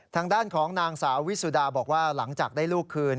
ทางด้านของนางสาววิสุดาบอกว่าหลังจากได้ลูกคืน